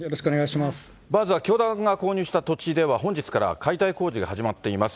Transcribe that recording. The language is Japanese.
まずは教団が購入した土地では、本日から解体工事が始まっています。